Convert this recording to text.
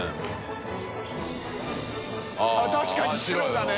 あっ確かに白だね！